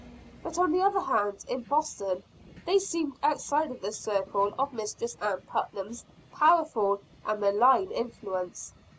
But, on the other hand, in Boston they seemed outside of the circle of Mistress Ann Putnam's powerful and malign influence.